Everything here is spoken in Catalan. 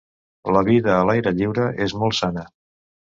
La vida a l'aire lliure és molt sana.